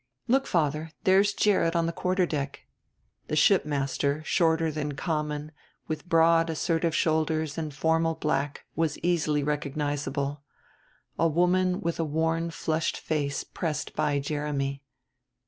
"Look, father, there's Gerrit on the quarter deck." The shipmaster, shorter than common, with broad assertive shoulders in formal black, was easily recognizable. A woman with a worn flushed face pressed by Jeremy.